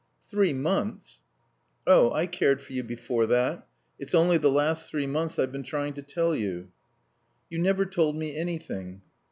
"Three months ?" "Oh, I cared for you before that. It's only the last three months I've been trying to tell you." "You never told me anything."